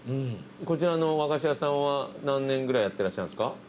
こちらの和菓子屋さんは何年ぐらいやってらっしゃるんですか？